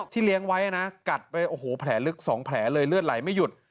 เลี้ยงไว้นะกัดไปโอ้โหแผลลึก๒แผลเลยเลือดไหลไม่หยุด